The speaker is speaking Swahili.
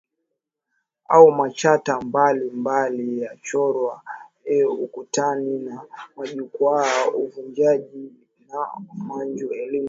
Au machata mbali mbali yachorwayo ukutani na majukwaa uvunjaji na umanju Elimu hii hulenga